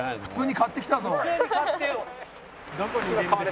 「普通に買ってきたぞおい」